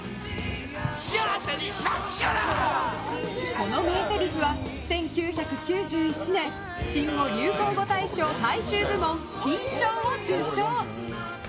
この名ぜりふは１９９１年、新語・流行語大賞大衆部門金賞を受賞。